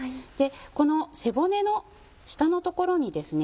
この背骨の下の所にですね